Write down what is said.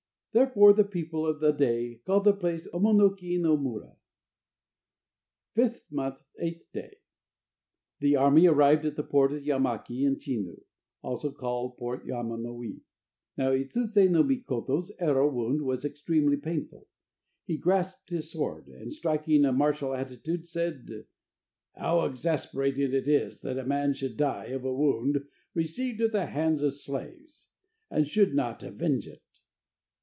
Therefore the people of the day called that place Omo no ki no Mura. Fifth month, 8th day. The army arrived at the port of Yamaki in Chinu (also called Port Yama no wi). Now Itsuse no Mikoto's arrow wound was extremely painful. He grasped his sword, and striking a martial attitude, said: "How exasperating it is that a man should die of a wound received at the hands of slaves, and should not avenge it!"